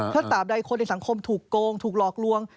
ถ้าตามใดคนในสังคมถูกโกงถูกหลอกลวง